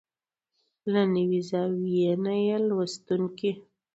او له نوې زاويې نه يې لوستونکي